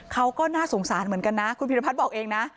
เขาก็น่าสงสารเหมือนกันนะคุณพิรพัฒน์บอกเองนะ